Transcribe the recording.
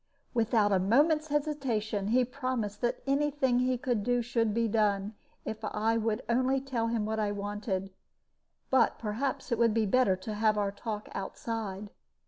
Without a moment's hesitation, he promised that any thing he could do should be done, if I would only tell him what I wanted. But perhaps it would be better to have our talk outside.